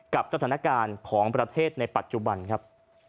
กับสถานการณ์ของประเทศในปัจจุบันครับ